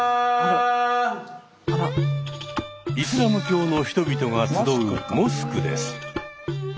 イスラム教の人々が集うモスクです。